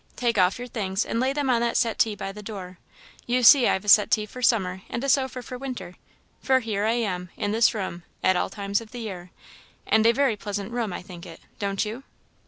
Take off your things, and lay them on that settee by the door. You see I've a settee for summer and a sofa for winter; for here I am, in this room, at all times of the year; and a very pleasant room I think it don't you?"